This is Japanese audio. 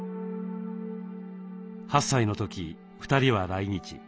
８歳の時２人は来日。